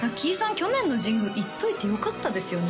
去年の神宮行っといてよかったですよね